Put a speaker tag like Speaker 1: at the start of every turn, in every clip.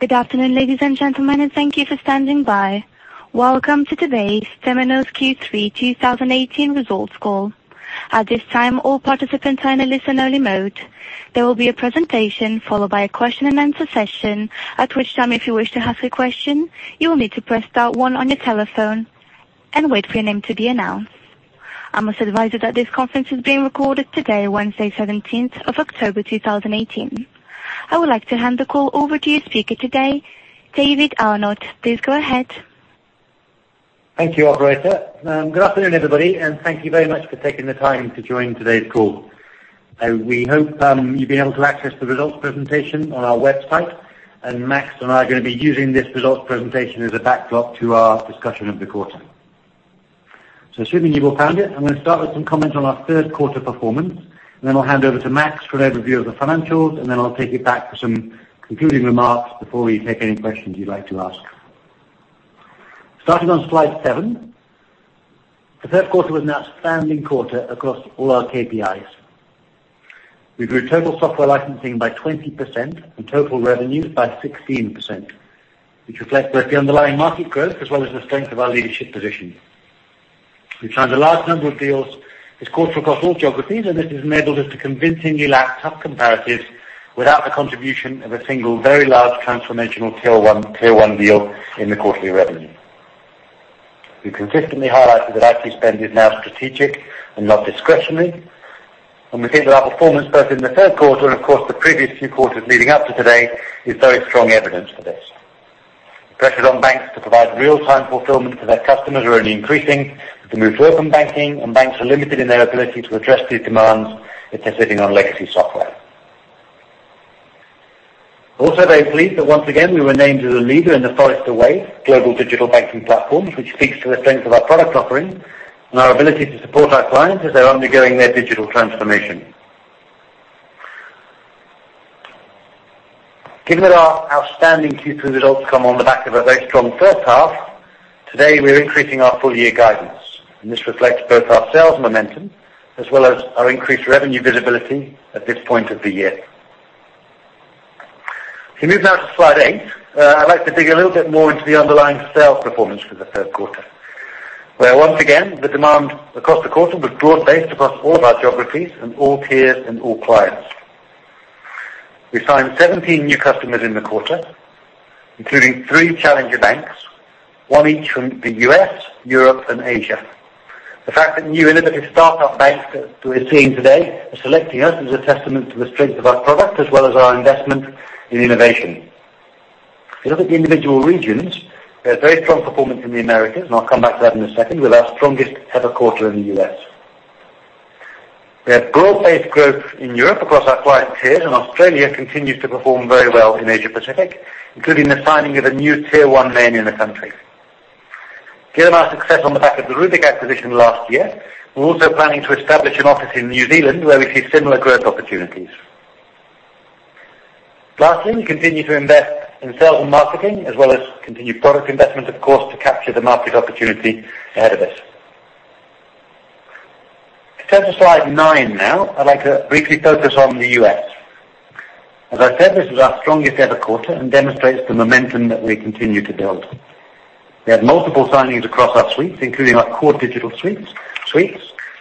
Speaker 1: Good afternoon, ladies and gentlemen, and thank you for standing by. Welcome to today's Temenos Q3 2018 results call. At this time, all participants are in a listen-only mode. There will be a presentation followed by a question-and-answer session. At which time, if you wish to ask a question, you will need to press dot one on your telephone and wait for your name to be announced. I must advise you that this conference is being recorded today, Wednesday, seventeenth of October 2018. I would like to hand the call over to your speaker today, David Arnott. Please go ahead.
Speaker 2: Thank you, operator. Good afternoon, everybody, and thank you very much for taking the time to join today's call. We hope you've been able to access the results presentation on our website. Max and I are going to be using this results presentation as a backdrop to our discussion of the quarter. Assuming you all found it, I'm going to start with some comments on our third quarter performance. I'll hand over to Max for an overview of the financials, and then I'll take it back for some concluding remarks before we take any questions you'd like to ask. Starting on slide seven. The third quarter was an outstanding quarter across all our KPIs. We grew total software licensing by 20% and total revenues by 16%, which reflect both the underlying market growth as well as the strength of our leadership position. We've signed the largest number of deals this quarter across all geographies. This has enabled us to convincingly lap tough comparatives without the contribution of a single very large transformational tier 1 deal in the quarterly revenue. We've consistently highlighted that IT spend is now strategic and not discretionary. We think that our performance both in the third quarter and of course, the previous few quarters leading up to today is very strong evidence for this. The pressures on banks to provide real-time fulfillment to their customers are only increasing with the move to open banking. Banks are limited in their ability to address these demands if they're sitting on legacy software. Also very pleased that once again, we were named as a leader in the Forrester Wave global digital banking platforms, which speaks to the strength of our product offering and our ability to support our clients as they're undergoing their digital transformation. Given that our outstanding Q3 results come on the back of a very strong first half, today we are increasing our full-year guidance. This reflects both our sales momentum as well as our increased revenue visibility at this point of the year. If we move now to slide eight, I'd like to dig a little bit more into the underlying sales performance for the third quarter, where once again, the demand across the quarter was broad-based across all of our geographies and all tiers and all clients. We signed 17 new customers in the quarter, including three challenger banks, one each from the U.S., Europe, and Asia. The fact that new innovative startup banks that we're seeing today are selecting us is a testament to the strength of our product as well as our investment in innovation. If you look at the individual regions, we had very strong performance in the Americas, and I'll come back to that in a second, with our strongest ever quarter in the U.S. We had broad-based growth in Europe across our client tiers, and Australia continues to perform very well in Asia-Pacific, including the signing of a new tier 1 name in the country. Given our success on the back of the Rubik acquisition last year, we're also planning to establish an office in New Zealand where we see similar growth opportunities. Lastly, we continue to invest in sales and marketing as well as continued product investment, of course, to capture the market opportunity ahead of us. If you turn to slide nine now, I'd like to briefly focus on the U.S. As I said, this was our strongest ever quarter and demonstrates the momentum that we continue to build. We had multiple signings across our suites, including our core digital suites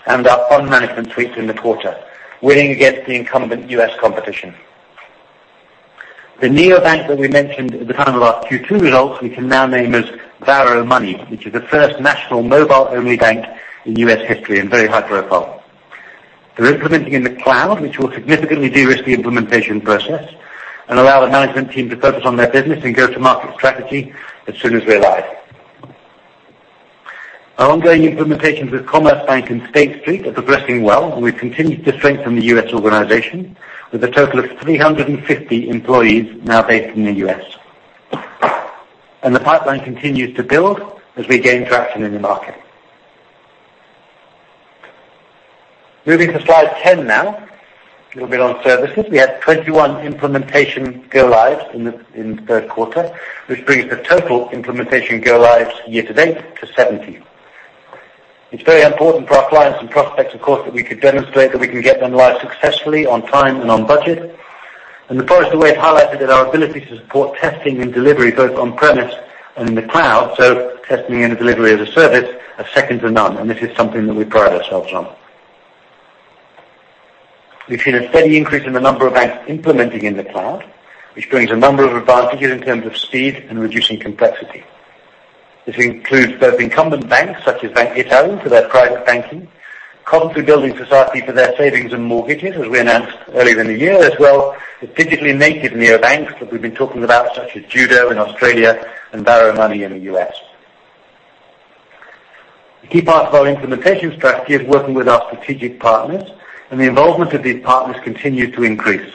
Speaker 2: and our fund management suites in the quarter, winning against the incumbent U.S. competition. The neobank that we mentioned at the time of our last Q2 results, we can now name as Varo Money, which is the first national mobile-only bank in U.S. history and very high profile. They're implementing in the cloud, which will significantly de-risk the implementation process and allow the management team to focus on their business and go-to-market strategy as soon as we arrive. Our ongoing implementations with Commerzbank and State Street are progressing well. The pipeline continues to build as we gain traction in the market. Moving to slide 10 now. A little bit on services. We had 21 implementation go lives in the third quarter, which brings the total implementation go lives year to date to 70. It's very important for our clients and prospects, of course, that we could demonstrate that we can get them live successfully on time and on budget. The Forrester Wave highlighted our ability to support testing and delivery both on-premise and in the cloud. Testing and delivery as a service are second to none, and this is something that we pride ourselves on. We've seen a steady increase in the number of banks implementing in the cloud, which brings a number of advantages in terms of speed and reducing complexity. This includes both incumbent banks such as Banca Ifigest for their private banking, Coventry Building Society for their savings and mortgages, as we announced earlier in the year as well, the digitally native neobanks that we've been talking about, such as Judo in Australia and Varo Money in the U.S. The key part of our implementation strategy is working with our strategic partners, and the involvement of these partners continues to increase.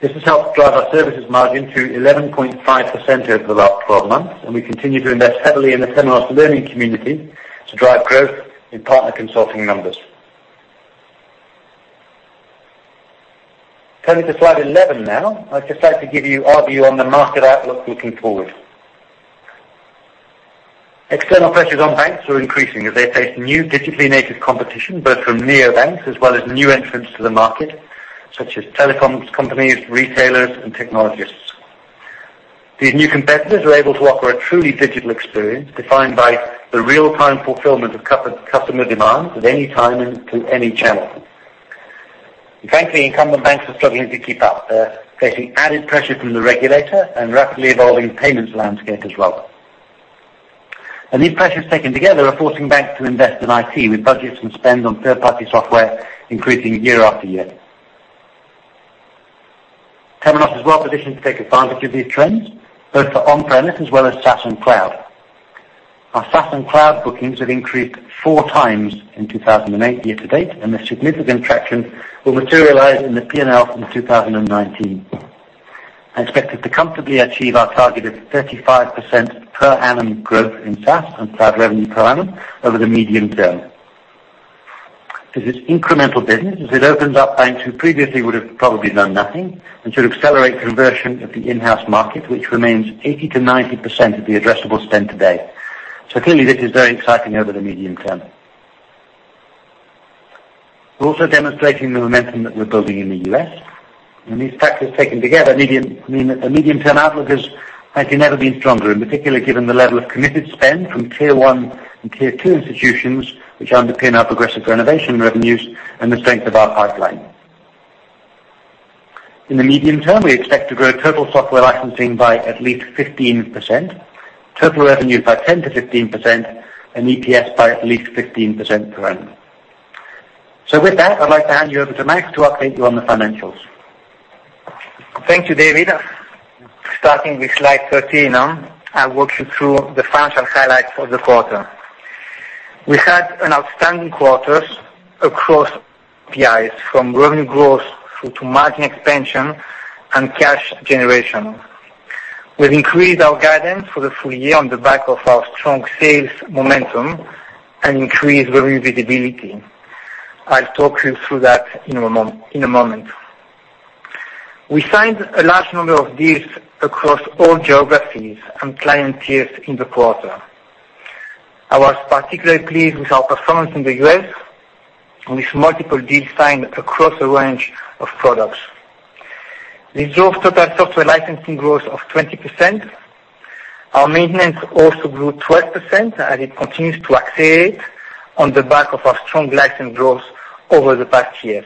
Speaker 2: This has helped drive our services margin to 11.5% over the last 12 months, and we continue to invest heavily in the Temenos Learning Community to drive growth in partner consulting numbers. Turning to slide 11 now. I'd just like to give you our view on the market outlook looking forward. External pressures on banks are increasing as they face new digitally native competition, both from neobanks as well as new entrants to the market, such as telecoms companies, retailers, and technologists. These new competitors are able to offer a truly digital experience defined by the real-time fulfillment of customer demands at any time and through any channel. Frankly, incumbent banks are struggling to keep up. They're facing added pressure from the regulator and rapidly evolving payments landscape as well. These pressures taken together are forcing banks to invest in IT with budgets and spend on third-party software increasing year after year. Temenos is well-positioned to take advantage of these trends, both for on-premise as well as SaaS and cloud. Our SaaS and cloud bookings have increased four times in 2018 year to date, the significant traction will materialize in the P&L in 2019. I expect us to comfortably achieve our target of 35% per annum growth in SaaS and cloud revenue per annum over the medium term. This is incremental business, as it opens up banks who previously would have probably done nothing and should accelerate conversion of the in-house market, which remains 80%-90% of the addressable spend today. Clearly this is very exciting over the medium term. We're also demonstrating the momentum that we're building in the U.S., these factors taken together mean that the medium-term outlook has actually never been stronger, in particular given the level of committed spend from Tier I and Tier II institutions which underpin our progressive renovation revenues and the strength of our pipeline. In the medium term, we expect to grow total software licensing by at least 15%, total revenue by 10%-15%, and EPS by at least 15% per annum. With that, I'd like to hand you over to Max to update you on the financials.
Speaker 3: Thank you, David. Starting with slide 13, I'll walk you through the financial highlights for the quarter. We had an outstanding quarter across the eyes, from revenue growth through to margin expansion and cash generation. We've increased our guidance for the full year on the back of our strong sales momentum and increased revenue visibility. I'll talk you through that in a moment. We signed a large number of deals across all geographies and client tiers in the quarter. I was particularly pleased with our performance in the U.S., with multiple deals signed across a range of products. This drove total software licensing growth of 20%. Our maintenance also grew 12% as it continues to accelerate on the back of our strong license growth over the past years.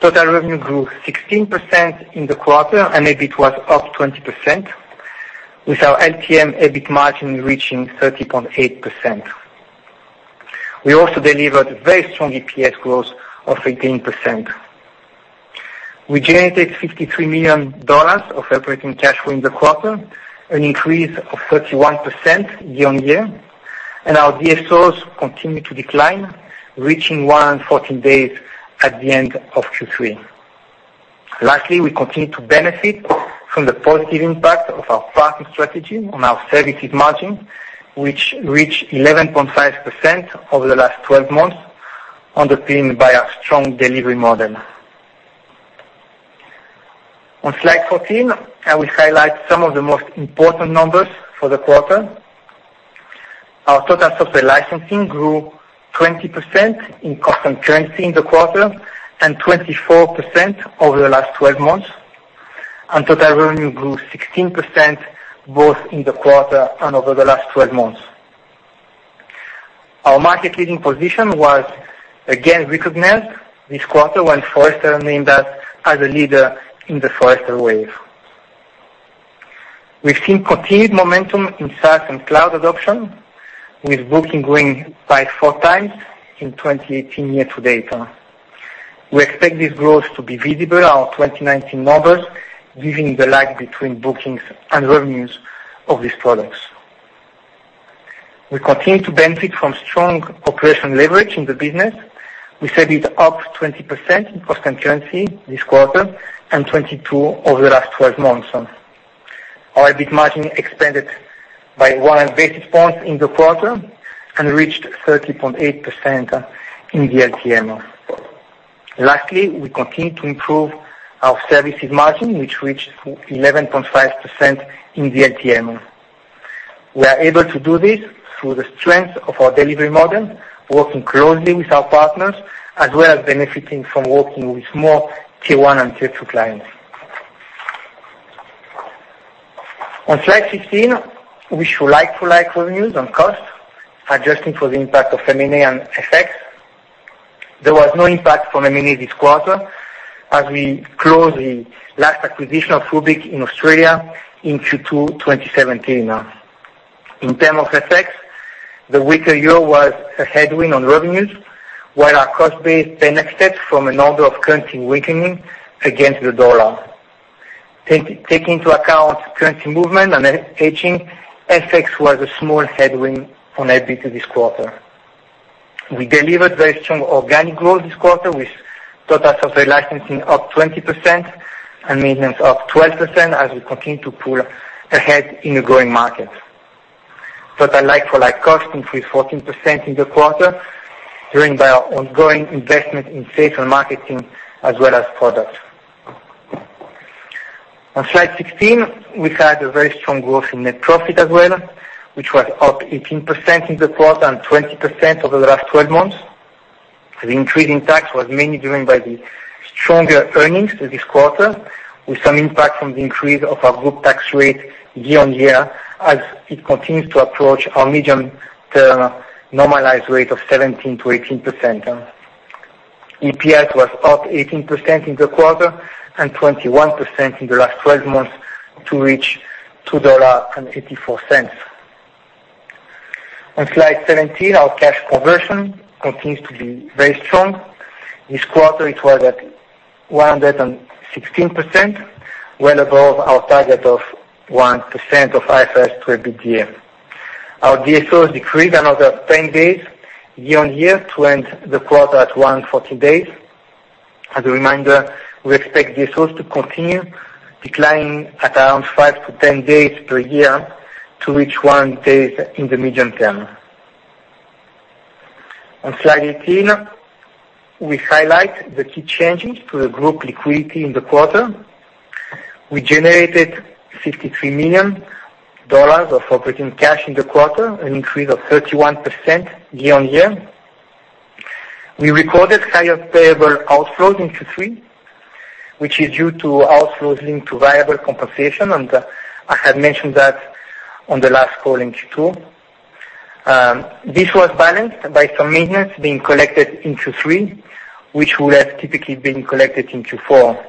Speaker 3: Total revenue grew 16% in the quarter, EBIT was up 20%, with our LTM EBIT margin reaching 30.8%. We also delivered very strong EPS growth of 18%. We generated $53 million of operating cash flow in the quarter, an increase of 31% year-on-year, our DSOs continue to decline, reaching 114 days at the end of Q3. Lastly, we continue to benefit from the positive impact of our pricing strategy on our services margin, which reached 11.5% over the last 12 months, underpinned by our strong delivery model. On slide 14, I will highlight some of the most important numbers for the quarter. Our total software licensing grew 20% in constant currency in the quarter, 24% over the last 12 months, total revenue grew 16%, both in the quarter and over the last 12 months. Our market-leading position was again recognized this quarter when Forrester named us as a leader in the Forrester Wave. We've seen continued momentum in SaaS and cloud adoption, with bookings growing by four times in 2018 year-to-date. We expect this growth to be visible in our 2019 numbers, given the lag between bookings and revenues of these products. We continue to benefit from strong operational leverage in the business. We set it up 20% in constant currency this quarter and 22% over the last 12 months. Our EBIT margin expanded by 100 basis points in the quarter and reached 30.8% in the LTM. Lastly, we continue to improve our services margin, which reached 11.5% in the LTM. We are able to do this through the strength of our delivery model, working closely with our partners, as well as benefiting from working with more Tier 1 and Tier 2 clients. On slide 15, we show like-for-like revenues on costs, adjusting for the impact of M&A and FX. There was no impact from M&A this quarter, as we closed the last acquisition of Rubik in Australia in Q2 2017. In terms of FX, the weaker year was a headwind on revenues, while our cost base benefited from an order of currency weakening against the dollar. Taking into account currency movement and hedging, FX was a small headwind on EBIT this quarter. We delivered very strong organic growth this quarter, with total software licensing up 20% and maintenance up 12% as we continue to pull ahead in a growing market. Total like-for-like costs increased 14% in the quarter, driven by our ongoing investment in sales and marketing as well as product. On slide 16, we had a very strong growth in net profit as well, which was up 18% in the quarter and 20% over the last 12 months. The increase in tax was mainly driven by the stronger earnings for this quarter, with some impact from the increase of our group tax rate year-on-year as it continues to approach our medium-term normalized rate of 17%-18%. EPS was up 18% in the quarter and 21% in the last 12 months to reach $2.84. On slide 17, our cash conversion continues to be very strong. This quarter it was at 116%, well above our target of 1% of IFRS to EBITDA. Our DSOs decreased another 10 days year-on-year to end the quarter at 140 days. As a reminder, we expect DSOs to continue declining at around 5-10 days per year to reach one days in the medium term. On slide 18, we highlight the key changes to the group liquidity in the quarter. We generated $53 million of operating cash in the quarter, an increase of 31% year-on-year. We recorded higher payable outflows in Q3, which is due to outflows linked to variable compensation, and I had mentioned that on the last call in Q2. This was balanced by some maintenance being collected in Q3, which would have typically been collected in Q4.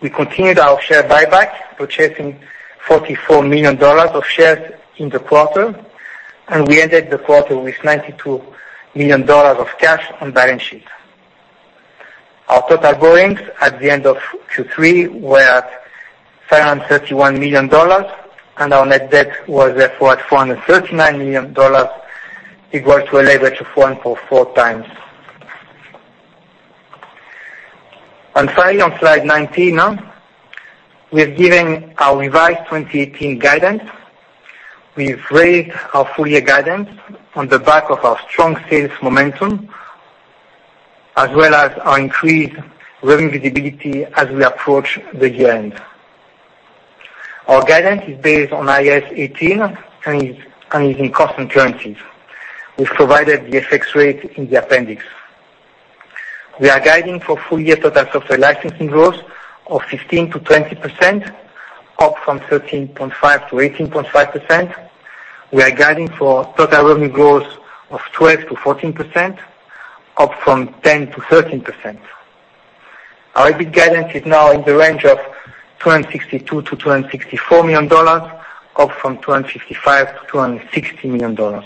Speaker 3: We continued our share buyback, purchasing $44 million of shares in the quarter, and we ended the quarter with $92 million of cash on the balance sheet. Our total borrowings at the end of Q3 were at $531 million, and our net debt was therefore at $439 million, equal to a leverage of 1.4 times. Finally, on slide 19, we have given our revised 2018 guidance. We've raised our full-year guidance on the back of our strong sales momentum, as well as our increased revenue visibility as we approach the year-end. Our guidance is based on IFRS 18 and is in constant currencies. We've provided the FX rate in the appendix. We are guiding for full-year total software licensing growth of 15%-20%, up from 13.5%-18.5%. We are guiding for total revenue growth of 12%-14%, up from 10%-13%. Our EBIT guidance is now in the range of $262 million-$264 million, up from $255 million-$260 million.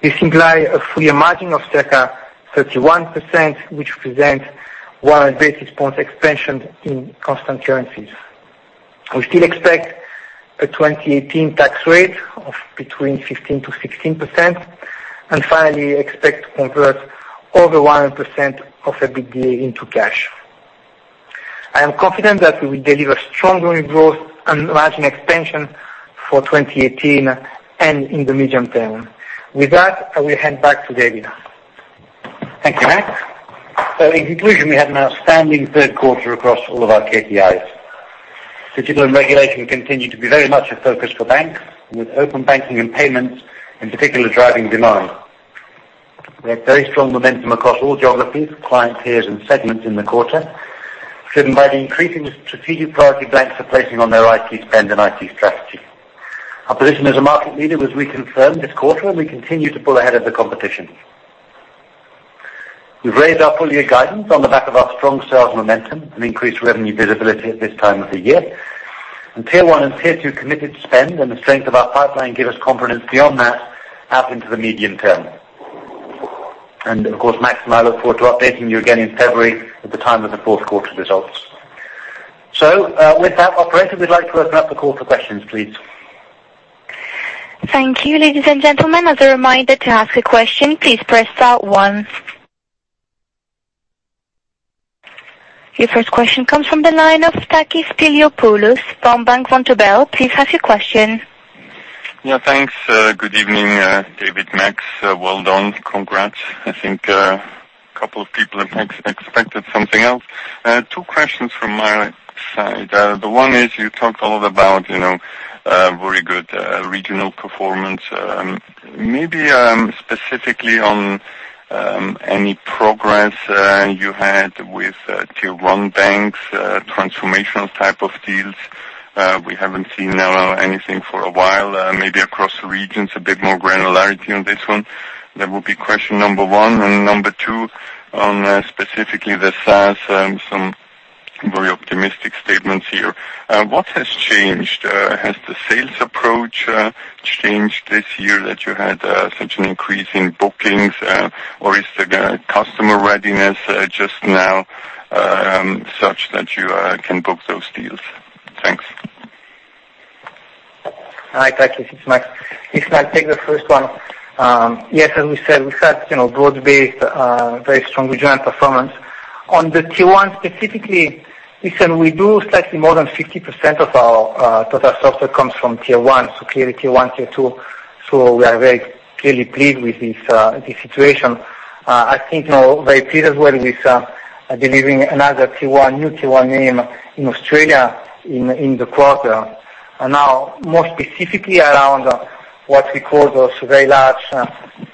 Speaker 3: This implies a full-year margin of circa 31%, which represents 100 basis point expansion in constant currencies. We still expect a 2018 tax rate of between 15%-16%, and finally expect to convert over 100% of EBITDA into cash. I am confident that we will deliver strong revenue growth and margin expansion for 2018 and in the medium term. With that, I will hand back to David.
Speaker 2: Thank you, Max. In conclusion, we had an outstanding third quarter across all of our KPIs. Digital and regulation continue to be very much a focus for banks, with open banking and payments in particular driving demand. We had very strong momentum across all geographies, client tiers, and segments in the quarter, driven by the increasing strategic priority banks are placing on their IT spend and IT strategy. Our position as a market leader was reconfirmed this quarter, and we continue to pull ahead of the competition. We've raised our full-year guidance on the back of our strong sales momentum and increased revenue visibility at this time of the year, and Tier 1 and Tier 2 committed spend and the strength of our pipeline give us confidence beyond that out into the medium term. Of course, Max and I look forward to updating you again in February at the time of the fourth quarter results. With that, operator, we'd like to open up the call for questions, please.
Speaker 1: Thank you, ladies and gentlemen. As a reminder, to ask a question, please press star one. Your first question comes from the line of Takis Spiliopoulos from Bank Vontobel. Please ask your question.
Speaker 4: Thanks. Good evening, David, Max. Well done. Congrats. I think a couple of people expected something else. Two questions from my side. The one is, you talked a lot about very good regional performance. Maybe specifically on any progress you had with Tier 1 banks, transformational type of deals. We haven't seen anything for a while. Maybe across the regions, a bit more granularity on this one. That would be question number one, and number two on specifically the SaaS, some very optimistic statements here. What has changed? Has the sales approach changed this year that you had such an increase in bookings? Or is the customer readiness just now such that you can book those deals? Thanks.
Speaker 3: Hi, Takis. It's Max. If can I take the first one. Yes, as we said, we've had broad-based, very strong regional performance. On the Tier 1 specifically, we do slightly more than 50% of our total software comes from Tier 1, so clearly Tier 1, Tier 2, so we are very clearly pleased with this situation. I think now very pleased as well with delivering another new tier 1 name in Australia in the quarter. Now more specifically around what we call those very large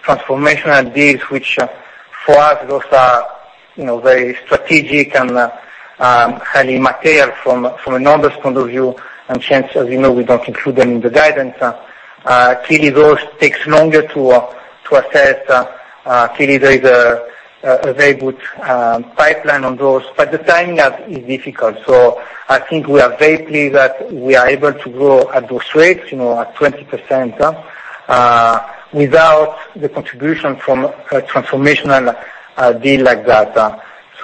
Speaker 3: transformational deals, which for us, those are very strategic and highly material from a numbers point of view, and hence, as you know, we don't include them in the guidance. Clearly, those take longer to assess. Clearly there is a very good pipeline on those, but the timing is difficult. I think we are very pleased that we are able to grow at those rates at 20% without the contribution from a transformational deal like that.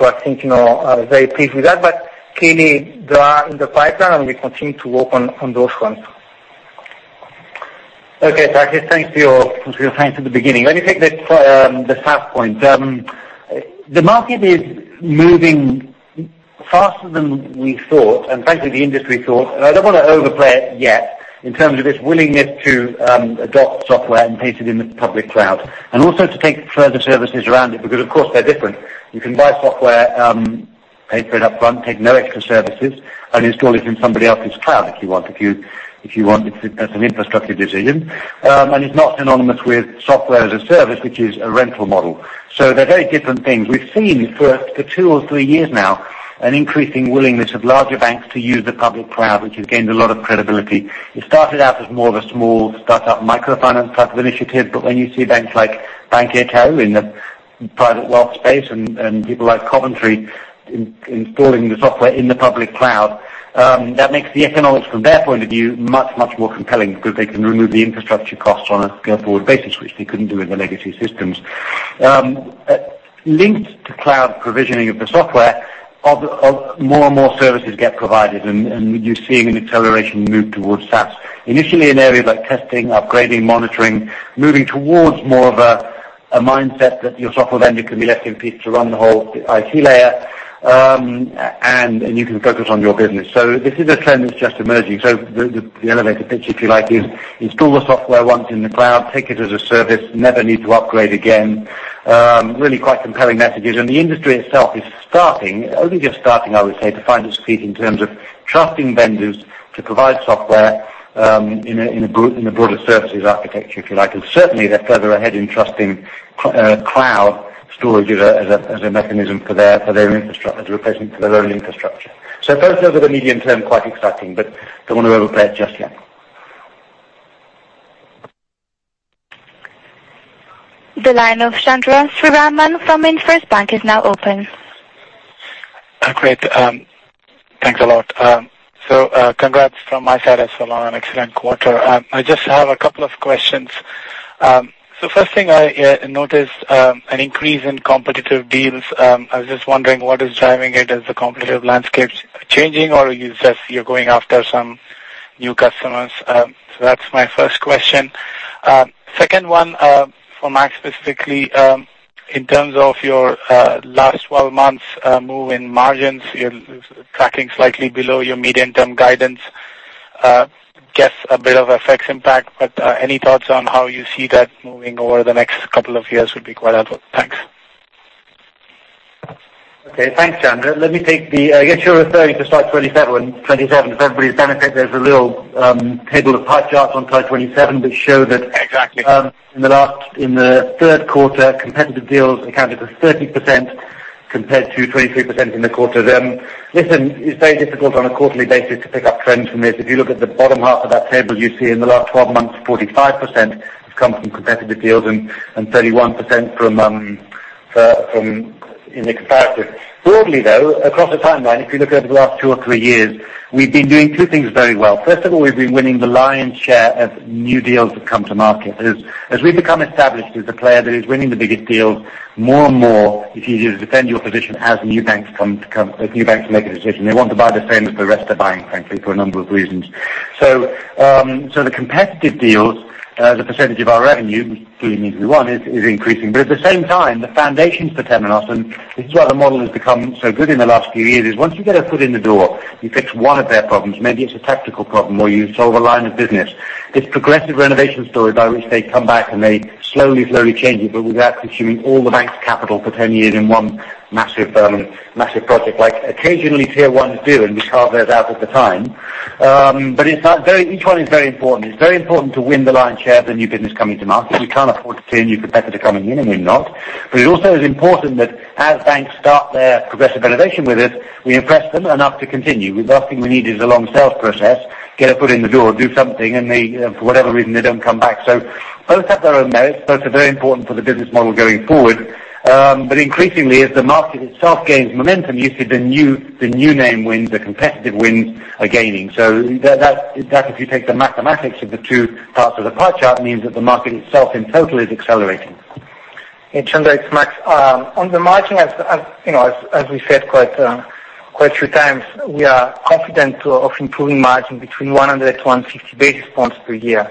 Speaker 3: I think, very pleased with that, but clearly they are in the pipeline, and we continue to work on those fronts.
Speaker 2: I guess thanks for your comments at the beginning. Let me take the last point. The market is moving faster than we thought, and frankly, the industry thought, and I don't want to overplay it yet in terms of its willingness to adopt software and paste it in the public cloud, and also to take further services around it, because of course they're different. You can buy software, pay for it up front, take no extra services, and install it in somebody else's cloud if you want. That's an infrastructure decision. It's not synonymous with software as a service, which is a rental model. They're very different things. We've seen for two or three years now an increasing willingness of larger banks to use the public cloud, which has gained a lot of credibility. It started out as more of a small startup microfinance type of initiative, when you see banks like Bankinter in the private wealth space and people like Coventry installing the software in the public cloud, that makes the economics from their point of view much, much more compelling because they can remove the infrastructure costs on a scale-forward basis, which they couldn't do in the legacy systems. Linked to cloud provisioning of the software, more and more services get provided, and you're seeing an acceleration move towards SaaS. Initially in areas like testing, upgrading, monitoring, moving towards more of a mindset that your software vendor can be left in peace to run the whole IT layer, and you can focus on your business. This is a trend that's just emerging. The elevator pitch, if you like, is install the software once in the cloud, take it as a service, never need to upgrade again. Really quite compelling messages. The industry itself is only just starting, I would say, to find its feet in terms of trusting vendors to provide software in a broader services architecture, if you like. Certainly they're further ahead in trusting cloud storage as a mechanism as a replacement for their own infrastructure. Both those are the medium-term, quite exciting, but don't want to overplay it just yet.
Speaker 1: The line of Chandra Sriraman from MainFirst Bank is now open.
Speaker 5: Great. Thanks a lot. Congrats from my side as well on an excellent quarter. I just have a couple of questions. First thing I noticed an increase in competitive deals. I was just wondering what is driving it. Is the competitive landscape changing, or are you just going after some new customers? That's my first question. Second one for Max specifically. In terms of your last 12 months move in margins, you're tracking slightly below your medium-term guidance. Guess a bit of FX impact, but any thoughts on how you see that moving over the next couple of years would be quite helpful. Thanks.
Speaker 2: Okay. Thanks, Chandra. You're referring to slide 27. For everybody's benefit, there's a little table of pie charts on slide 27.
Speaker 5: Exactly
Speaker 2: in the third quarter, competitive deals accounted for 30% compared to 23% in the quarter. Listen, it's very difficult on a quarterly basis to pick up trends from this. If you look at the bottom half of that table, you see in the last 12 months, 45% has come from competitive deals and 31% in the comparative. Broadly, though, across the timeline, if you look over the last two or three years, we've been doing two things very well. First of all, we've been winning the lion's share of new deals that come to market. As we've become established as a player that is winning the biggest deals, more and more it's easier to defend your position as new banks make a decision. They want to buy the same as the rest are buying, frankly, for a number of reasons. The competitive deals, the percentage of our revenue, which clearly means we won, is increasing. At the same time, the foundations for Temenos, and this is why the model has become so good in the last few years, is once you get a foot in the door, you fix one of their problems. Maybe it's a tactical problem, or you solve a line of business. This progressive renovation story by which they come back, and they slowly change it, but without consuming all the bank's capital for 10 years in one massive project, like occasionally tier 1s do, and we carve those out at the time. Each one is very important. It's very important to win the lion's share of the new business coming to market. We can't afford to see a new competitor coming in and win not. It also is important that as banks start their progressive renovation with us, we impress them enough to continue. The last thing we need is a long sales process, get a foot in the door, do something, and for whatever reason, they don't come back. Both have their own merits. Both are very important for the business model going forward. Increasingly, as the market itself gains momentum, you see the new name wins, the competitive wins are gaining. That if you take the mathematics of the two parts of the pie chart, means that the market itself in total is accelerating.
Speaker 3: Hey, Chandra. It's Max. On the margin, as we said quite a few times, we are confident of improving margin between 100 to 150 basis points per year.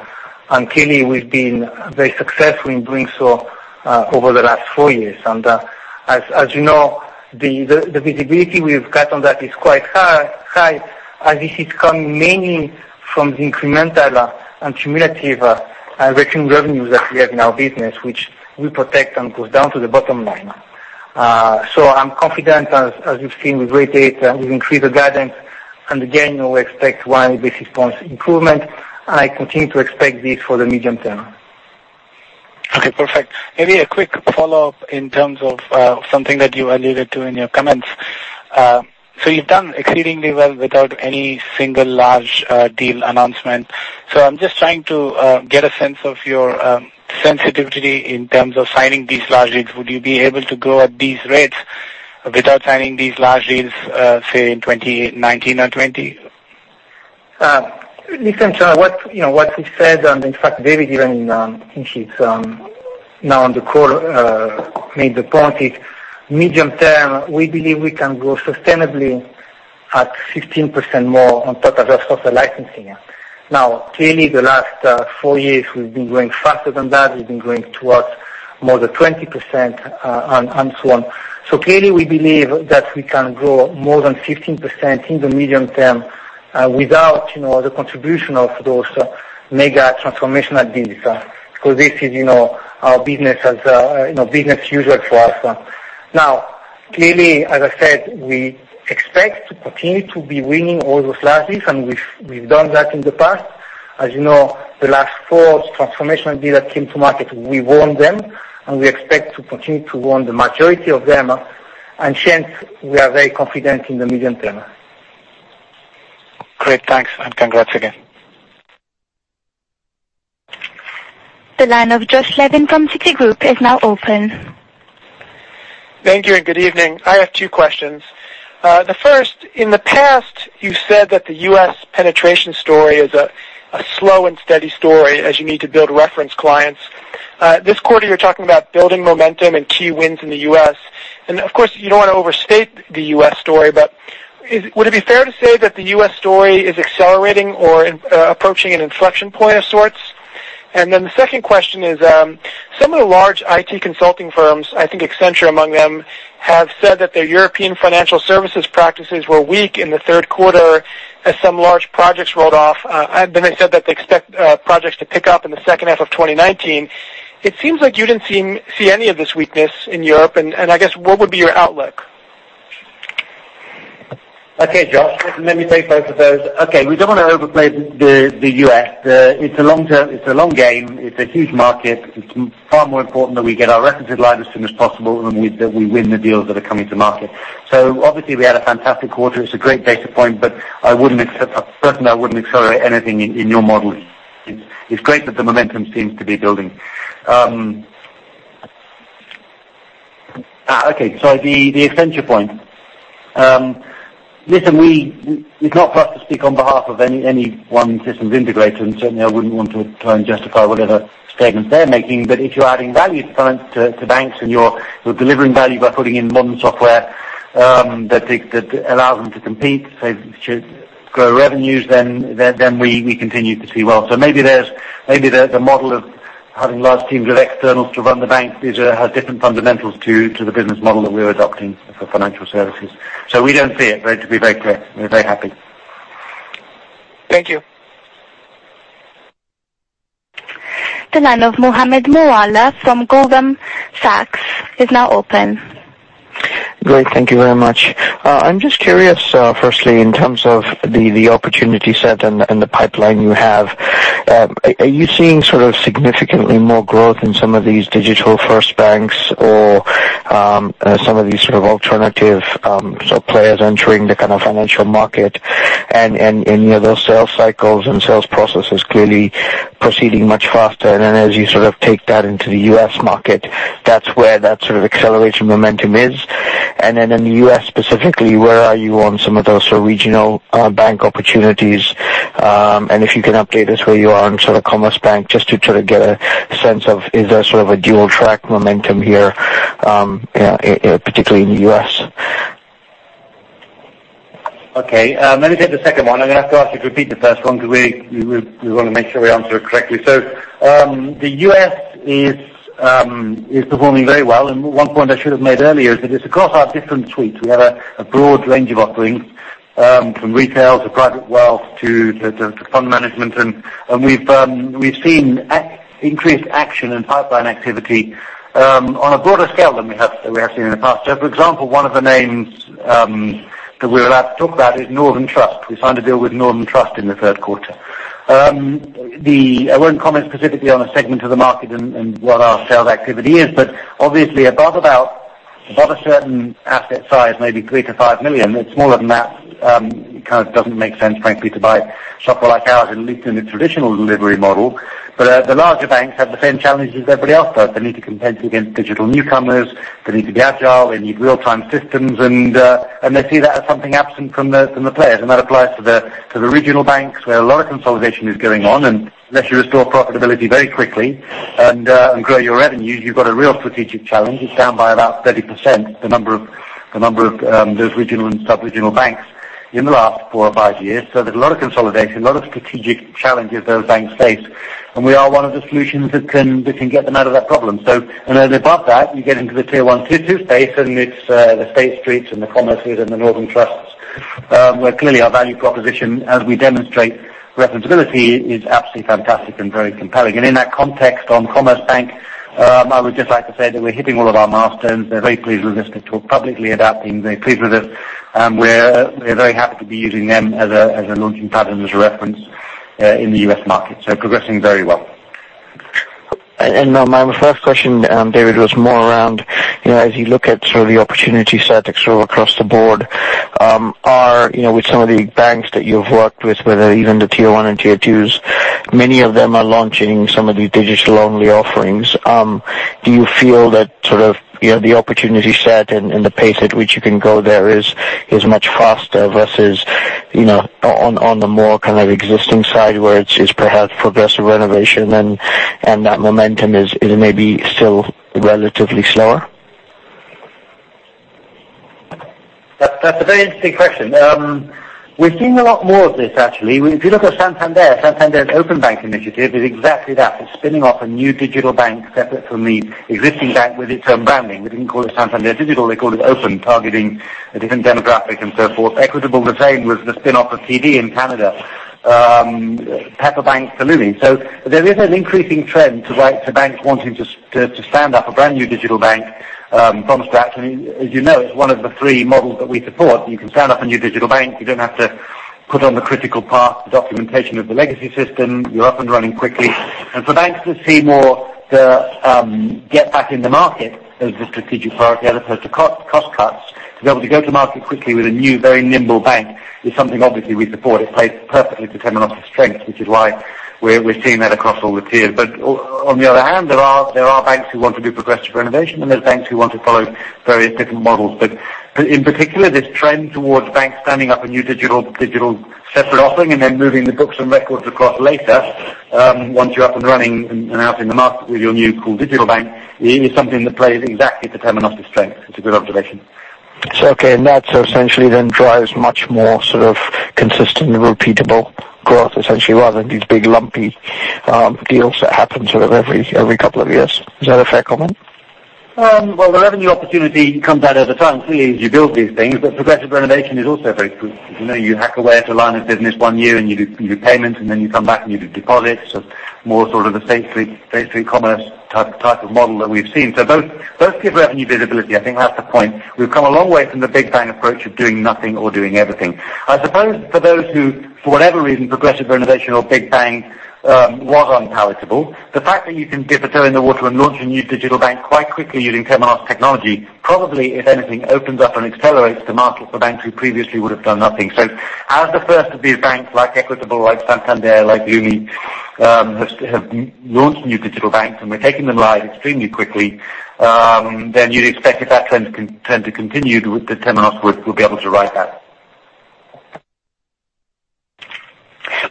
Speaker 3: Clearly we've been very successful in doing so over the last four years. As you know, the visibility we've got on that is quite high, as this is coming mainly from the incremental and cumulative recurring revenues that we have in our business, which we protect and goes down to the bottom line. I'm confident, as you've seen, we grade it, we increase the guidance and again, we expect 100 basis points improvement. I continue to expect this for the medium term.
Speaker 5: Okay, perfect. Maybe a quick follow-up in terms of something that you alluded to in your comments. You've done exceedingly well without any single large deal announcement. I'm just trying to get a sense of your sensitivity in terms of signing these large deals. Would you be able to grow at these rates without signing these large deals, say, in 2019 and 2020?
Speaker 3: Listen, Chandra, what we said, in fact, David, I think he's now on the call, made the point is medium term, we believe we can grow sustainably at 15% more on top of software licensing. Clearly the last four years we've been growing faster than that. We've been growing towards more than 20% and so on. Clearly we believe that we can grow more than 15% in the medium term without the contribution of those mega transformational deals. Because this is our business as business usual for us. Clearly, as I said, we expect to continue to be winning all those large deals, and we've done that in the past. As you know, the last four transformational deals that came to market, we won them, and we expect to continue to won the majority of them, and hence we are very confident in the medium term.
Speaker 5: Great, thanks, congrats again.
Speaker 1: The line of Josh Levin from Citigroup is now open.
Speaker 6: Thank you, good evening. I have two questions. The first, in the past you said that the U.S. penetration story is a slow and steady story as you need to build reference clients. This quarter, you're talking about building momentum and key wins in the U.S., of course, you don't want to overstate the U.S. story, but would it be fair to say that the U.S. story is accelerating or approaching an inflection point of sorts? The second question is, some of the large IT consulting firms, I think Accenture among them, have said that their European financial services practices were weak in the third quarter as some large projects rolled off. They said that they expect projects to pick up in the second half of 2019. It seems like you didn't see any of this weakness in Europe. I guess, what would be your outlook?
Speaker 3: Josh, let me take both of those. We don't want to overplay the U.S. It's a long game. It's a huge market. It's far more important that we get our references line as soon as possible, that we win the deals that are coming to market. Obviously we had a fantastic quarter. Personally I wouldn't accelerate anything in your modeling. It's great that the momentum seems to be building. The Accenture point. Listen, it's not for us to speak on behalf of any one systems integrator, certainly I wouldn't want to try and justify whatever statements they're making. If you're adding value to banks and you're delivering value by putting in modern software that allows them to compete, so should grow revenues, then we continue to see. Maybe the model of having large teams of externals to run the banks has different fundamentals to the business model that we're adopting for financial services. We don't see it, to be very clear. We're very happy.
Speaker 6: Thank you.
Speaker 1: The line of Mohammed Moawalla from Goldman Sachs is now open.
Speaker 7: Great. Thank you very much. I'm just curious, firstly, in terms of the opportunity set and the pipeline you have, are you seeing significantly more growth in some of these digital-first banks or some of these sort of alternative players entering the financial market, and any of those sales cycles and sales processes clearly proceeding much faster? As you take that into the U.S. market, that's where that acceleration momentum is. In the U.S. specifically, where are you on some of those regional bank opportunities? If you can update us where you are on Commerzbank, just to get a sense of, is there a dual track momentum here, particularly in the U.S.?
Speaker 3: Okay. Let me take the second one, I have to ask you to repeat the first one because we want to make sure we answer it correctly. The U.S. is performing very well, One point I should have made earlier is that it's across our different suites. We have a broad range of offerings, from retail to private wealth to fund management, we've seen increased action and pipeline activity on a broader scale than we have seen in the past. For example, one of the names that we're allowed to talk about is Northern Trust. We signed a deal with Northern Trust in the third quarter. I won't comment specifically on a segment of the market and what our sales activity is, obviously above a certain asset size, maybe $3 million-$5 million, it's smaller than that, it doesn't make sense, frankly, to buy software like ours, at least in the traditional delivery model. The larger banks have the same challenge as everybody else does. They need to compete against digital newcomers. They need to be agile. They need real-time systems, they see that as something absent from the players. That applies to the regional banks, where a lot of consolidation is going on, unless you restore profitability very quickly and grow your revenues, you've got a real strategic challenge. It's down by about 30%, the number of those regional and sub-regional banks.
Speaker 2: In the last four or five years. There's a lot of consolidation, a lot of strategic challenges those banks face. We are one of the solutions that can get them out of that problem. Above that, you get into the Tier 1, Tier 2 space, and it's the State Street and the Commerces and the Northern Trusts, where clearly our value proposition, as we demonstrate referencability, is absolutely fantastic and very compelling. In that context, on Commerzbank, I would just like to say that we're hitting all of our milestones. They're very pleased with us. They talk publicly about being very pleased with us, and we're very happy to be using them as a launching pad and as a reference in the U.S. market. Progressing very well.
Speaker 7: My first question, David, was more around, as you look at the opportunity set across the board, with some of the banks that you've worked with, whether even the Tier 1 and Tier 2s, many of them are launching some of these digital-only offerings. Do you feel that the opportunity set and the pace at which you can go there is much faster versus on the more existing side where it's perhaps progressive renovation, and that momentum is maybe still relatively slower?
Speaker 2: That's a very interesting question. We're seeing a lot more of this, actually. If you look at Santander's Openbank initiative is exactly that. It's spinning off a new digital bank separate from the existing bank with its own branding. They didn't call it Santander Digital, they called it Open, targeting a different demographic and so forth. Equitable, the same with the spin-off of TD in Canada. Pepper Bank for Leumi. There is an increasing trend to banks wanting to stand up a brand-new digital bank from scratch. As you know, it's one of the three models that we support. You can stand up a new digital bank. You don't have to put on the critical path the documentation of the legacy system. You're up and running quickly. For banks that see more the get back in the market as the strategic priority as opposed to cost cuts, to be able to go to market quickly with a new, very nimble bank is something, obviously, we support. It plays perfectly to Temenos' strength, which is why we're seeing that across all the tiers. On the other hand, there are banks who want to do progressive renovation, and there's banks who want to follow various different models. In particular, this trend towards banks standing up a new digital separate offering and then moving the books and records across later, once you're up and running and out in the market with your new cool digital bank, is something that plays exactly to Temenos' strength. It's a good observation.
Speaker 7: Okay. That essentially then drives much more consistent repeatable growth, essentially, rather than these big lumpy deals that happen every couple of years. Is that a fair comment?
Speaker 2: The revenue opportunity comes out over time, clearly, as you build these things, but progressive renovation is also very good. You know, you hack away at a line of business one year, and you do payment, then you come back, and you do deposits. More sort of a State Street Commerce type of model that we've seen. Both give revenue visibility. I think that's the point. We've come a long way from the Big Bang approach of doing nothing or doing everything. I suppose for those who, for whatever reason, progressive renovation or Big Bang was unpalatable, the fact that you can dip a toe in the water and launch a new digital bank quite quickly using Temenos technology, probably, if anything, opens up and accelerates to market for banks who previously would have done nothing. As the first of these banks, like Equitable, like Santander, like Leumi, have launched new digital banks, and we're taking them live extremely quickly, then you'd expect if that trend to continue, that Temenos would be able to ride that.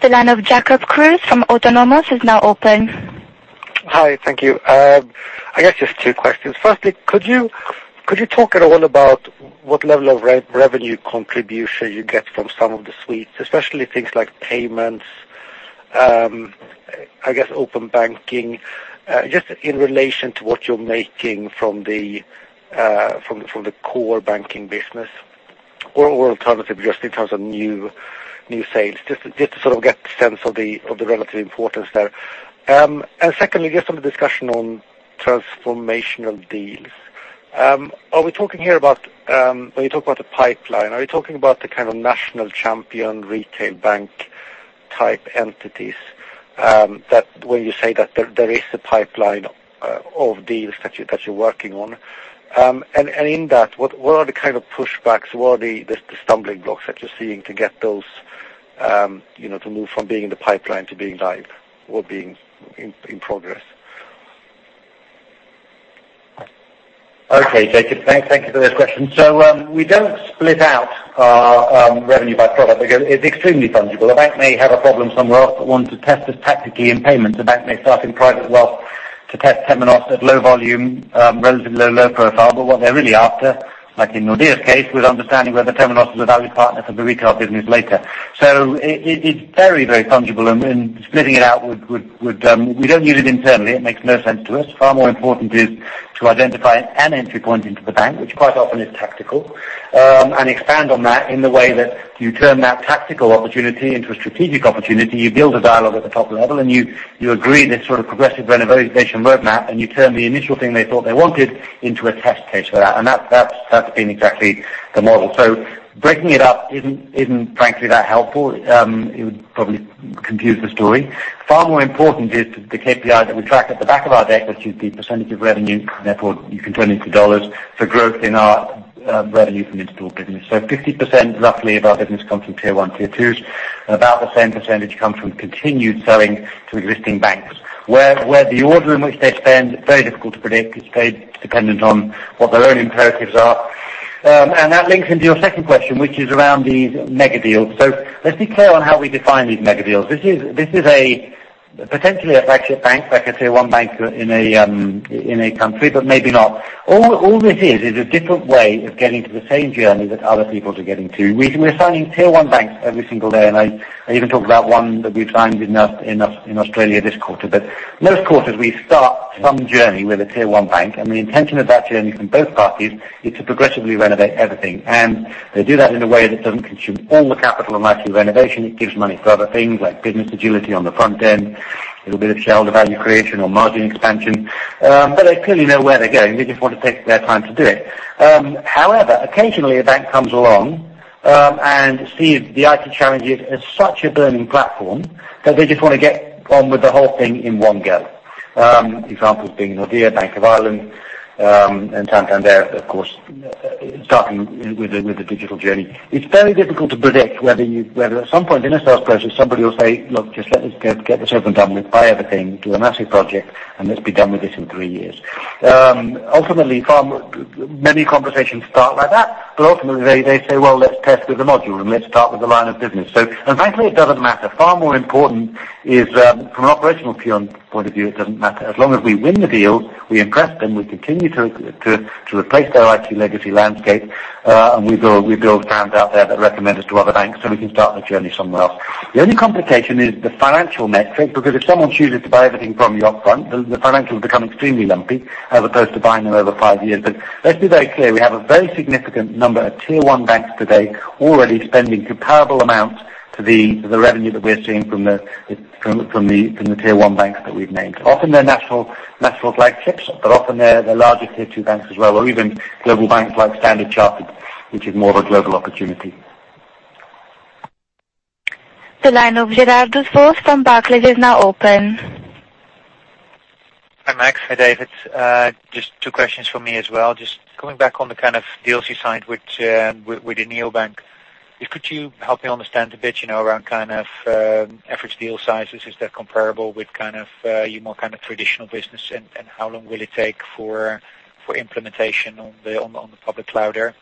Speaker 1: The line of Jacob Kruse from Autonomous is now open.
Speaker 8: Hi, thank you. I guess just two questions. Firstly, could you talk at all about what level of revenue contribution you get from some of the suites, especially things like payments, I guess open banking, just in relation to what you're making from the core banking business? Alternatively, just in terms of new sales, just to sort of get the sense of the relative importance there. Secondly, just on the discussion on transformational deals. Are we talking here about, when you talk about the pipeline, are you talking about the kind of national champion retail bank-type entities, that when you say that there is a pipeline of deals that you're working on. In that, what are the kind of pushbacks? What are the stumbling blocks that you're seeing to get those to move from being in the pipeline to being live or being in progress?
Speaker 2: Okay, Jacob, thank you for those questions. We don't split out our revenue by product because it's extremely fungible. A bank may have a problem somewhere else but want to test us tactically in payments. A bank may start in private wealth to test Temenos at low volume, relatively low profile. What they're really after, like in Nordea's case, was understanding whether Temenos is a valued partner for the retail business later. It's very, very fungible, and splitting it out. We don't use it internally. It makes no sense to us. Far more important is to identify an entry point into the bank, which quite often is tactical, and expand on that in the way that you turn that tactical opportunity into a strategic opportunity. You build a dialogue at the top level, and you agree this sort of progressive renovation roadmap, and you turn the initial thing they thought they wanted into a test case for that. That's been exactly the model. Breaking it up isn't frankly that helpful. It would probably confuse the story. Far more important is the KPI that we track at the back of our deck, which is the percentage of revenue, therefore, you can turn into dollars, for growth in our revenue from installed business. 50% roughly of our business comes from Tier 1, Tier 2s, and about the same percentage comes from continued selling to existing banks. Where the order in which they spend, very difficult to predict. It's very dependent on what their own imperatives are. That links into your second question, which is around these megadeals. Let's be clear on how we define these megadeals. This is Potentially a flagship bank, like a Tier 1 bank in a country, but maybe not. All this is a different way of getting to the same journey that other people are getting to. We're signing Tier 1 banks every single day, and I even talked about one that we've signed in Australia this quarter. Most quarters, we start some journey with a Tier 1 bank, and the intention of that journey from both parties is to progressively renovate everything. They do that in a way that doesn't consume all the capital and IT renovation. It gives money for other things like business agility on the front end, a little bit of shareholder value creation or margin expansion. They clearly know where they're going. They just want to take their time to do it. However, occasionally a bank comes along, and sees the IT challenges as such a burning platform that they just want to get on with the whole thing in one go. Examples being Nordea, Bank of Ireland, and Santander, of course, starting with the digital journey. It's very difficult to predict whether at some point in a sales process, somebody will say, "Look, just let us get this over and done with, buy everything, do a massive project, and let's be done with this in three years." Ultimately, many conversations start like that, but ultimately they say, "Well, let's test with the module, and let's start with the line of business." Frankly, it doesn't matter. Far more important is, from an operational point of view, it doesn't matter. As long as we win the deal, we impress them, we continue to replace their IT legacy landscape, and we build fans out there that recommend us to other banks so we can start the journey somewhere else. The only complication is the financial metric, because if someone chooses to buy everything from you up front, the financials become extremely lumpy as opposed to buying them over five years. Let's be very clear, we have a very significant number of Tier 1 banks today already spending comparable amounts to the revenue that we're seeing from the Tier 1 banks that we've named. Often they're national flagships, but often they're the larger Tier 2 banks as well, or even global banks like Standard Chartered, which is more of a global opportunity.
Speaker 1: The line of Gerardus Vos from Barclays is now open.
Speaker 9: Hi, Max. Hi, David. Just two questions from me as well. Just coming back on the kind of deals you signed with the neobank. Could you help me understand a bit around average deal sizes? Is that comparable with your more traditional business, and how long will it take for implementation on the public cloud there?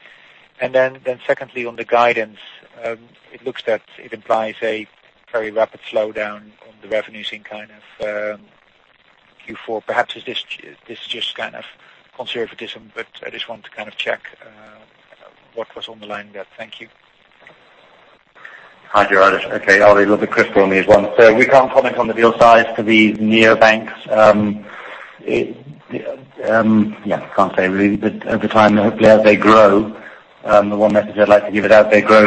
Speaker 9: Then secondly, on the guidance, it looks that it implies a very rapid slowdown on the revenues in Q4. Perhaps this is just conservatism, but I just want to check what was underlying that. Thank you.
Speaker 2: Hi, Gerardus. Okay. A little bit crystal on these ones. We can't comment on the deal size for these neobanks. Yeah, can't say, really. Over time, hopefully as they grow, the one message I'd like to give is as they grow,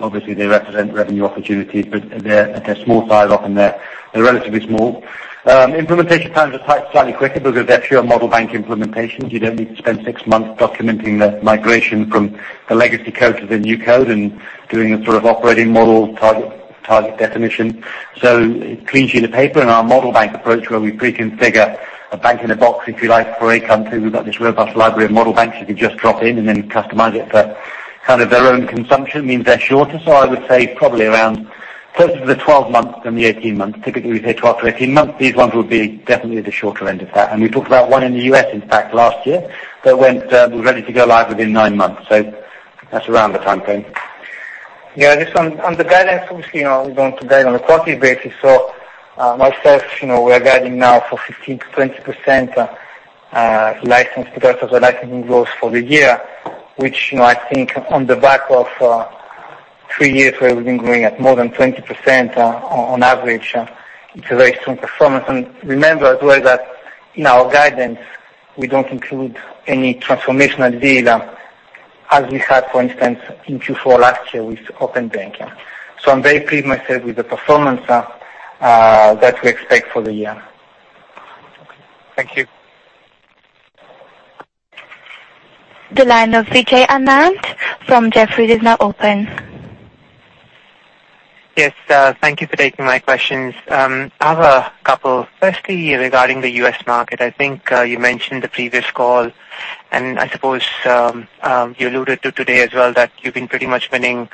Speaker 2: obviously they represent revenue opportunities, but they're small size. Often they're relatively small. Implementation times are slightly quicker because they're pure model bank implementations. You don't need to spend six months documenting the migration from the legacy code to the new code and doing a sort of operating model target definition. It cleansheet the paper in our model bank approach, where we pre-configure a bank-in-a-box, if you like, for a country. We've got this robust library of model banks you can just drop in and then customize it for their own consumption. Means they're shorter. I would say probably around closer to the 12 months than the 18 months. Typically, we say 12-18 months. These ones would be definitely at the shorter end of that. We talked about one in the U.S., in fact, last year, that was ready to go live within nine months. That's around the timeframe.
Speaker 3: Yeah, just on the guidance, obviously, we want to guide on a quarterly basis. Myself, we're guiding now for 15%-20% license production or licensing growth for the year, which I think on the back of three years where we've been growing at more than 20% on average, it's a very strong performance. Remember as well that in our guidance, we don't include any transformational deal as we had, for instance, in Q4 last year with open banking. I'm very pleased myself with the performance that we expect for the year.
Speaker 9: Thank you.
Speaker 1: The line of Vijay Anand from Jefferies is now open.
Speaker 10: Yes. Thank you for taking my questions. I have a couple. Firstly, regarding the U.S. market, I think you mentioned the previous call, and I suppose you alluded to today as well that you've been pretty much winning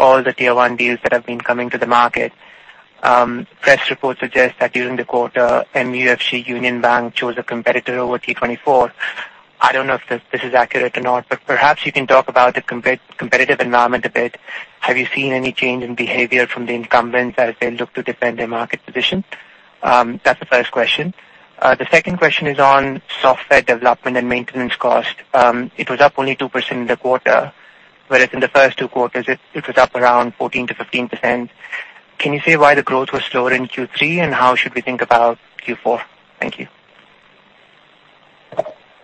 Speaker 10: all the Tier 1 deals that have been coming to the market. Press reports suggest that during the quarter, MUFG Union Bank chose a competitor over T24. I don't know if this is accurate or not. Perhaps you can talk about the competitive environment a bit. Have you seen any change in behavior from the incumbents as they look to defend their market position? That's the first question. The second question is on software development and maintenance cost. It was up only 2% in the quarter, whereas in the first two quarters, it was up around 14%-15%. Can you say why the growth was slower in Q3? How should we think about Q4? Thank you.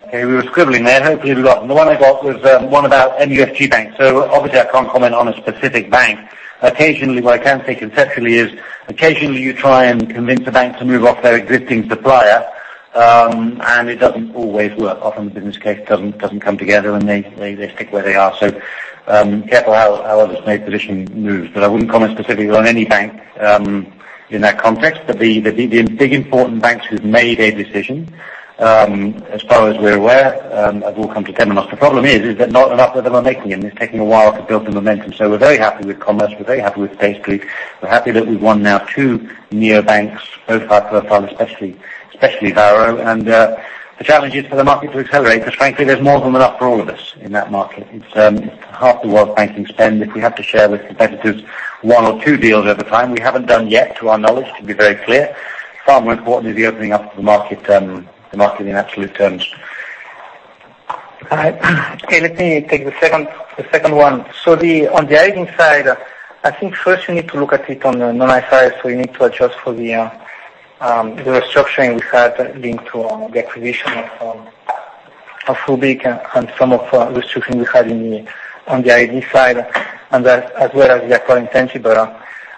Speaker 2: Okay. We were scribbling there. Hopefully we got them. The one I got was one about MUFG Bank. Obviously I can't comment on a specific bank. What I can say conceptually is occasionally you try and convince a bank to move off their existing supplier, and it doesn't always work. Often the business case doesn't come together, and they stick where they are. Careful how others make position moves. I wouldn't comment specifically on any bank in that context. The big important banks who've made a decision, as far as we're aware, have all come to Temenos. The problem is that not enough of them are making it, and it's taking a while to build the momentum. We're very happy with Commerce. We're very happy with Paysafe. We're happy that we've won now two neobanks, both high profile, and especially Varo. The challenge is for the market to accelerate because frankly, there is more than enough for all of us in that market. It is half the world banking spend that we have to share with competitors one or two deals at a time. We have not done yet, to our knowledge, to be very clear, far more importantly, the opening up of the market in absolute terms.
Speaker 3: All right. Okay, let me take the second one. On the aging side, I think first you need to look at it on a normalized basis. You need to adjust for the restructuring we had linked to the acquisition of Rubik and some of the restructuring we had on the AD side, and that as well as the acquired intangible.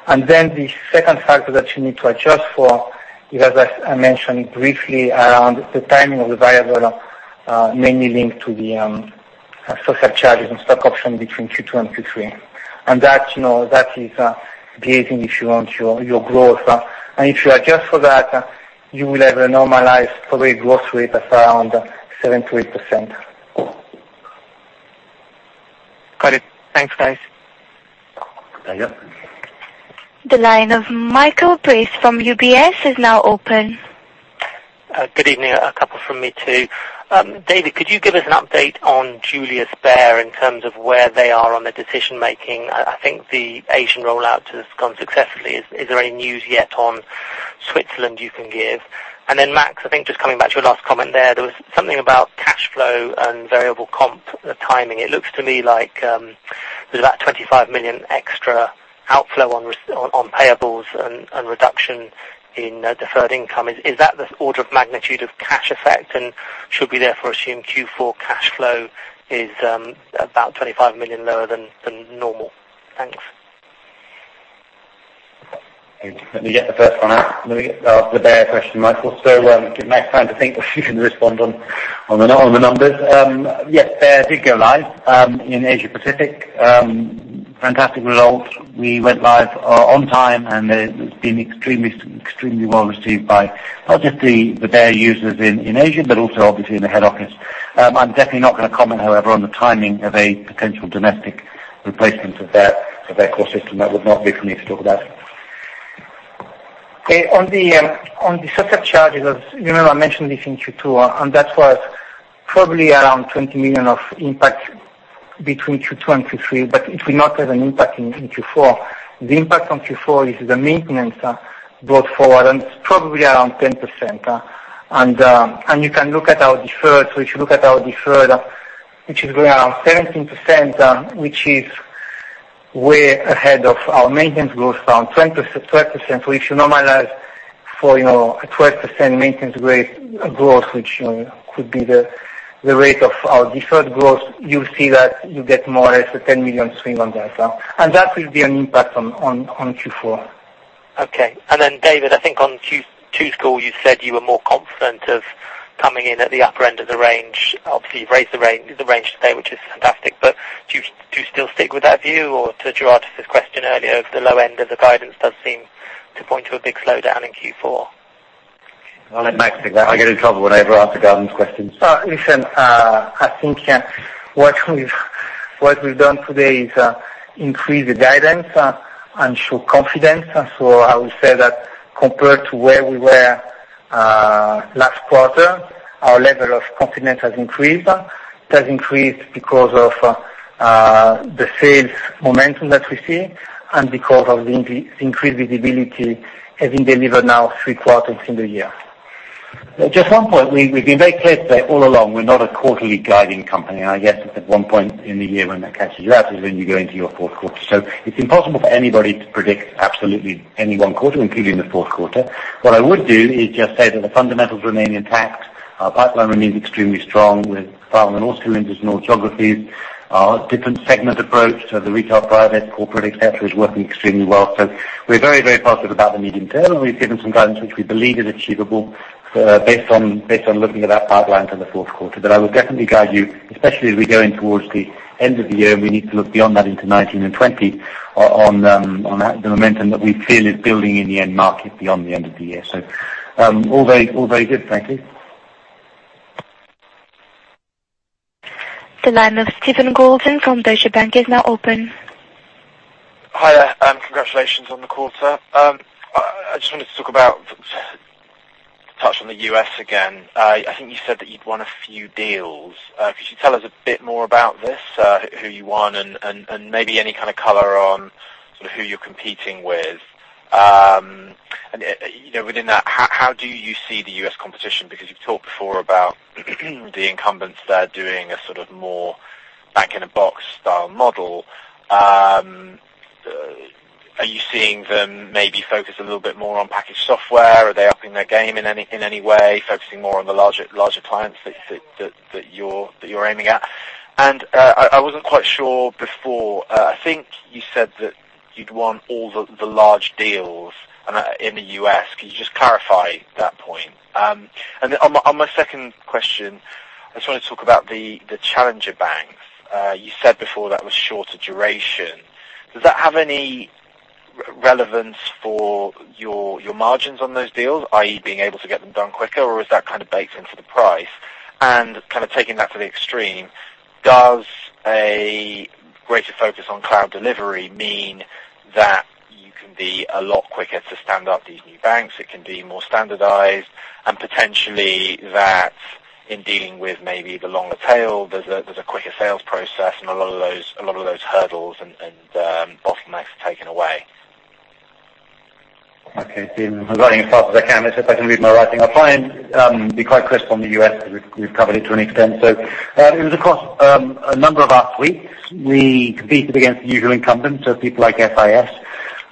Speaker 3: Then the second factor that you need to adjust for is, as I mentioned briefly around the timing of the variable, mainly linked to the social charges and stock option between Q2 and Q3. That is gating, if you want your growth. If you adjust for that, you will have a normalized probably growth rate of around 7%-8%.
Speaker 10: Got it. Thanks, guys.
Speaker 2: Yeah.
Speaker 1: The line of Michael Briest from UBS is now open.
Speaker 11: Good evening. A couple from me too. David, could you give us an update on Julius Baer in terms of where they are on the decision-making? I think the Asian rollout has gone successfully. Is there any news yet on Switzerland you can give? Max, I think just coming back to your last comment there was something about cash flow and variable comp timing. It looks to me like there's about $25 million extra outflow on payables and reduction in deferred income. Is that the order of magnitude of cash effect and should we therefore assume Q4 cash flow is about $25 million lower than normal? Thanks.
Speaker 2: Let me get the first one out. Let me get the Baer question, Michael, so give Max time to think what he can respond on the numbers. Yes, Baer did go live in Asia Pacific. Fantastic results. We went live on time, and it has been extremely well received by not just the Baer users in Asia, but also obviously in the head office. I'm definitely not going to comment, however, on the timing of a potential domestic replacement of their core system. That would not be for me to talk about.
Speaker 3: On the set of charges, you know I mentioned this in Q2, that was probably around $20 million of impact between Q2 and Q3, it will not have an impact in Q4. The impact on Q4 is the maintenance brought forward, it's probably around 10%. You can look at our deferred. If you look at our deferred, which is around 17%, which is way ahead of our maintenance growth, around 12%, so if you normalize for 12% maintenance growth, which could be the rate of our deferred growth, you see that you get more or less a $10 million swing on that. That will be an impact on Q4.
Speaker 11: Okay. David, I think on Q2's call, you said you were more confident of coming in at the upper end of the range. Obviously, you've raised the range today, which is fantastic, do you still stick with that view? To Gerardus' question earlier, the low end of the guidance does seem to point to a big slowdown in Q4.
Speaker 2: I'll let Max take that. I get in trouble whenever I answer guidance questions.
Speaker 3: Listen, I think what we've done today is increase the guidance and show confidence. I would say that compared to where we were last quarter, our level of confidence has increased. It has increased because of the sales momentum that we see and because of the increased visibility having delivered now three quarters in the year.
Speaker 2: Just one point. We've been very clear today all along, we're not a quarterly guiding company. I guess at one point in the year when that catches you out is when you go into your fourth quarter. It's impossible for anybody to predict absolutely any one quarter, including the fourth quarter. What I would do is just say that the fundamentals remain intact. Our pipeline remains extremely strong with file and also individual geographies. Our different segment approach to the retail, private, corporate, et cetera, is working extremely well. We're very positive about the medium term, and we've given some guidance which we believe is achievable based on looking at our pipeline for the fourth quarter. I would definitely guide you, especially as we go in towards the end of the year, and we need to look beyond that into 2019 and 2020 on the momentum that we feel is building in the end market beyond the end of the year. All very good, thank you.
Speaker 1: The line of Steven Goulden from Deutsche Bank is now open.
Speaker 12: Hi there. Congratulations on the quarter. I just wanted to talk about Touch on the U.S. again. I think you said that you'd won a few deals. Could you tell us a bit more about this, who you won, and maybe any kind of color on sort of who you're competing with? Within that, how do you see the U.S. competition? Because you've talked before about the incumbents there doing a sort of more bank-in-a-box style model. Are you seeing them maybe focus a little bit more on packaged software? Are they upping their game in any way, focusing more on the larger clients that you're aiming at? I wasn't quite sure before. I think you said that you'd won all the large deals in the U.S. Could you just clarify that point? On my second question, I just wanted to talk about the challenger banks. You said before that was shorter duration. Does that have any relevance for your margins on those deals, i.e., being able to get them done quicker, or is that kind of baked into the price? Kind of taking that to the extreme, does a greater focus on cloud delivery mean that it can be a lot quicker to stand up these new banks. It can be more standardized, and potentially that in dealing with maybe the longer tail, there's a quicker sales process and a lot of those hurdles and bottlenecks are taken away.
Speaker 2: Okay, Steven, I'm writing as fast as I can. Let's see if I can read my writing. I'll try and be quite crisp on the U.S. because we've covered it to an extent. It was across a number of our suites. We competed against the usual incumbents, so people like FIS.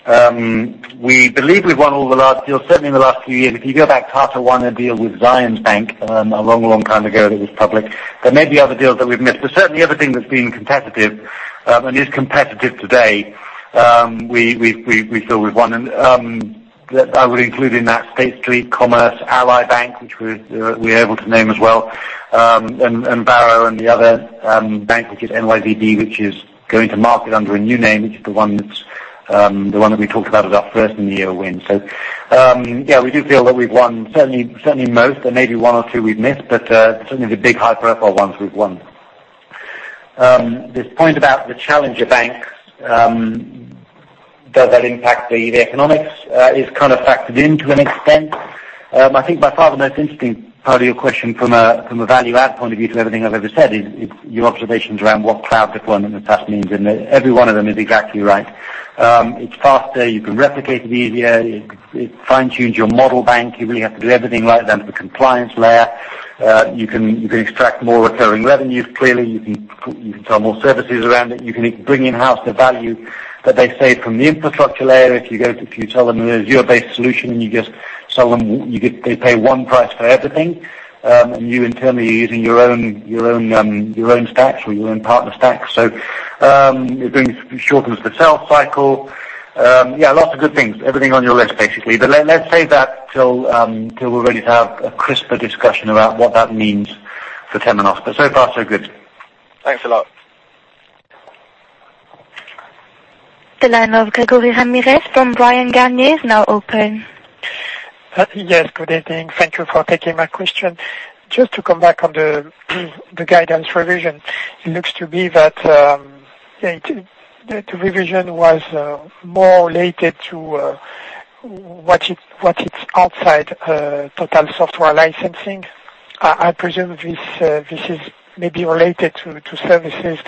Speaker 2: We believe we've won all the large deals, certainly in the last few years. If you go back, Tata won a deal with Zions Bank, a long, long time ago that was public. There may be other deals that we've missed, but certainly everything that's been competitive, and is competitive today, we feel we've won. I would include in that State Street, Commerce, Allied Bank, which we're able to name as well, and Varo and the other bank, which is NYVD, which is going to market under a new name, which is the one that we talked about as our first in the year win. Yeah, we do feel that we've won certainly most, and maybe one or two we've missed, but certainly the big hyper profile ones we've won. This point about the challenger banks, does that impact the economics? It is kind of factored in to an extent. I think by far the most interesting part of your question from a value add point of view to everything I've ever said is your observations around what cloud deployment in the past means, and every one of them is exactly right. It's faster, you can replicate it easier, it fine-tunes your model bank. You really have to do everything right down to the compliance layer. You can extract more recurring revenues, clearly. You can sell more services around it. You can bring in-house the value that they save from the infrastructure layer. If you tell them there's zero-based solution, and you sell them, they pay one price for everything. You internally are using your own stacks or your own partner stacks. It shortens the sales cycle. Yeah, lots of good things. Everything on your list, basically. Let's save that till we're ready to have a crisper discussion about what that means for Temenos. So far, so good.
Speaker 12: Thanks a lot.
Speaker 1: The line of Gregory Ramirez from Bryan Garnier is now open.
Speaker 13: Yes, good evening. Thank you for taking my question. Just to come back on the guidance revision. It looks to be that the revision was more related to what it's outside total software licensing. I presume this is maybe related to services,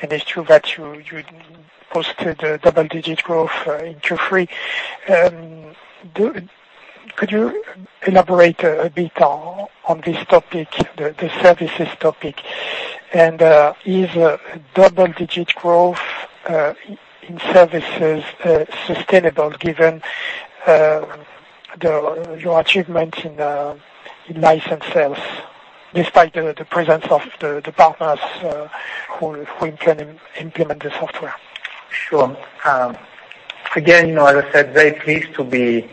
Speaker 13: and it's true that you posted a double-digit growth in Q3. Could you elaborate a bit on this topic, the services topic? Is double-digit growth in services sustainable given your achievements in license sales, despite the presence of the partners who can implement the software?
Speaker 2: Sure. Again, as I said, very pleased to be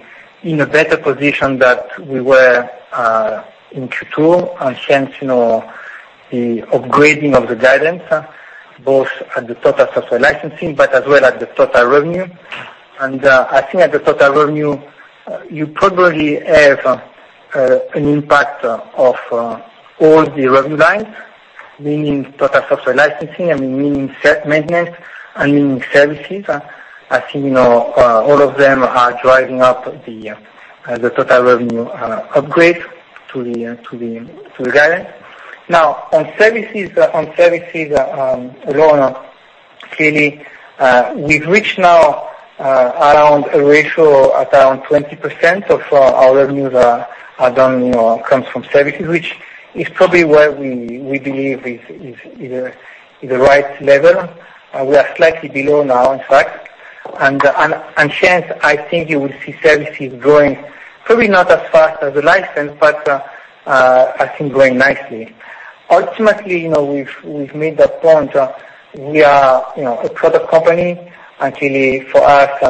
Speaker 2: in a better position that we were in Q2 and hence, the upgrading of the guidance, both at the total software licensing, but as well as the total revenue. I think at the total revenue, you probably have an impact of all the revenue lines, meaning total software licensing, and meaning self-maintenance and meaning services. I think all of them are driving up the total revenue upgrade to the guidance. Now on services alone, clearly, we've reached now around a ratio at around 20% of our revenues comes from services, which is probably where we believe is the right level. We are slightly below now, in fact. Hence, I think you will see services growing, probably not as fast as the license, but I think growing nicely. Ultimately, we've made that point.
Speaker 3: We are a product company. Clearly for us,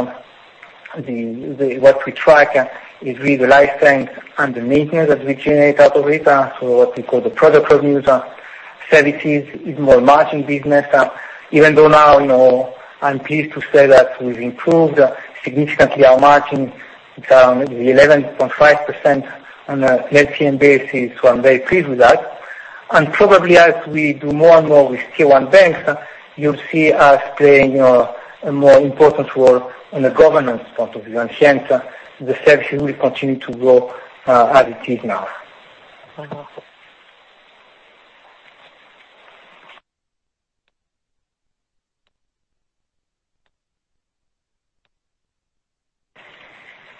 Speaker 3: what we track is really the license and the maintenance that we generate out of it. What we call the product revenues. Services is more margin business. Even though now, I'm pleased to say that we've improved significantly our margin. It's around 11.5% on a net basis, so I'm very pleased with that. Probably as we do more and more with Tier 1 banks, you'll see us playing a more important role on the governance point of view. Hence, the services will continue to grow as it is now.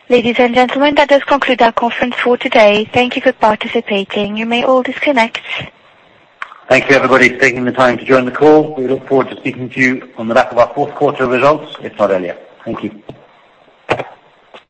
Speaker 1: Ladies and gentlemen, that does conclude our conference for today. Thank you for participating. You may all disconnect.
Speaker 2: Thank you, everybody, for taking the time to join the call. We look forward to speaking to you on the back of our fourth quarter results, if not earlier. Thank you.